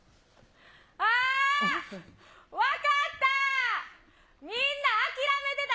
あー、分かった！